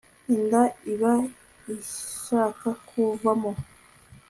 inda iba ishaka kuvamo